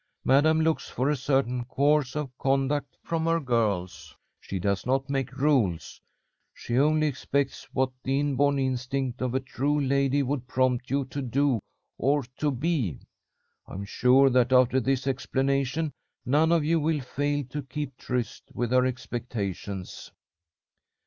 Madam looks for a certain course of conduct from her girls. She does not make rules. She only expects what the inborn instinct of a true lady would prompt you to do or to be. I am sure that after this explanation none of you will fail to keep tryst with her expectations."